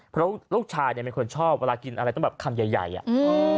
เพราะลูกชายเนี่ยเป็นคนชอบเวลากินอะไรต้องแบบคำใหญ่ใหญ่อ่ะ